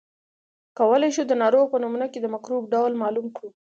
کولای شو د ناروغ په نمونه کې د مکروب ډول معلوم کړو.